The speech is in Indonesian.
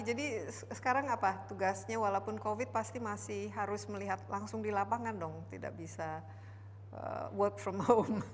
jadi sekarang apa tugasnya walaupun covid pasti masih harus melihat langsung di lapangan dong tidak bisa work from home